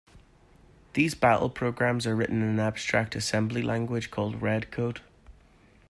These battle programs are written in an abstract assembly language called "Redcode".